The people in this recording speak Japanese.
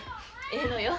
ええのよ。